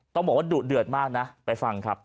ต้องบอกว่าดุเดือดมากนะไปฟังครับ